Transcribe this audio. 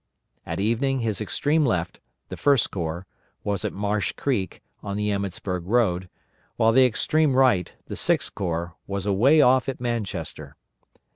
At evening his extreme left, the First Corps, was at Marsh Creek, on the Emmetsburg road, while the extreme right, the Sixth Corps, was away off at Manchester.